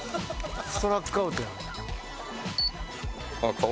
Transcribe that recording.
ストラックアウトやん。